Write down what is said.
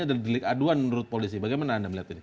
adalah aduan menurut polisi bagaimana anda melihat ini